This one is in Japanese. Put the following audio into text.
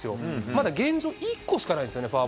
まだ現状、１個しかないんですよね。